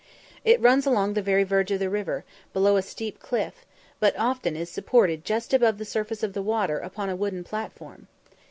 It runs along the very verge of the river, below a steep cliff, but often is supported just above the surface of the water upon a wooden platform.